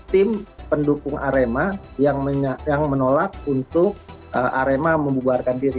tim pendukung arema yang menolak untuk arema membubarkan diri